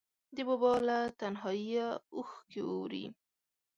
د بابا له تنهاییه اوښکې ووري